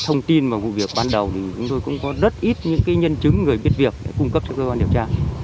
thông tin và vụ việc ban đầu thì chúng tôi cũng có rất ít những nhân chứng người biết việc để cung cấp cho cơ quan điều tra